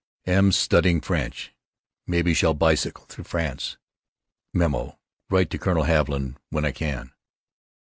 Am studying French. Maybe shall bicycle thru France. Mem.: Write to Colonel Haviland when I can.